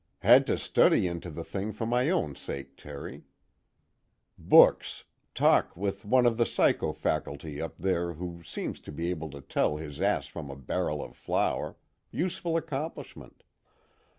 Had to study into the thing for my own sake, Terry: books, talk with one of the Psycho faculty up there who seems to be able to tell his ass from a barrel of flour, useful accomplishment.